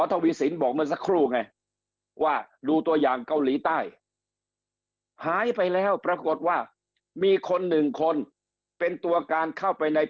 ทวีสินบอกเมื่อสักครู่ไงว่าดูตัวอย่างเกาหลีใต้หายไปแล้วปรากฏว่ามีคนหนึ่งคนเป็นตัวการเข้าไปใน